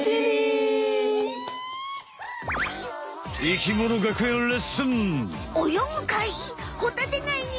生きもの学園レッスン！